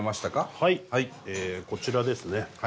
はいこちらですね。